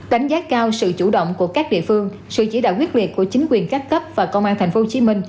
đánh giá cao sự chủ động của các địa phương sự chỉ đạo quyết liệt của chính quyền các cấp và công an tp hcm